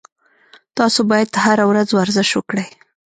تاسو باید هر ورځ ورزش وکړئ